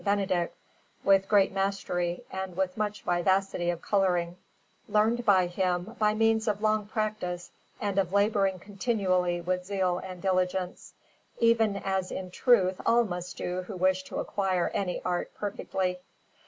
Benedict, with great mastery and with much vivacity of colouring, learnt by him by means of long practice and of labouring continually with zeal and diligence, even as in truth all must do who wish to acquire any art perfectly.